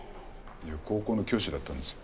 高校の教師だったんです。